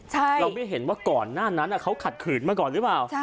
เราไม่เห็นว่าก่อนหน้านั้นเขาขัดขืนมาก่อนหรือเปล่า